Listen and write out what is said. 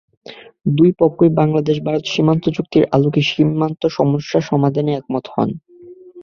দুই পক্ষই বাংলাদেশ-ভারত সীমান্ত চুক্তির আলোকে সীমান্ত সমস্যা সমাধানে একমত হন।